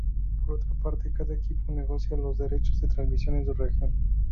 Por otra parte, cada equipo negocia los derechos de transmisión en su región.